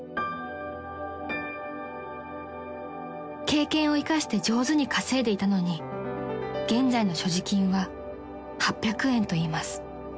［経験を生かして上手に稼いでいたのに現在の所持金は８００円といいます］